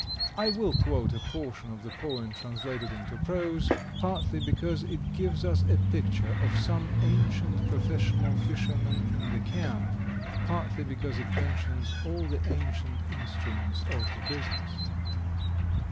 I will quote a portion of the poem translated into prose, partly because it gives us a picture of some ancient professional fishermen in the camp, partly because it mentions all the ancient instruments of the business.